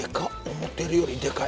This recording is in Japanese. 思てるよりでかい。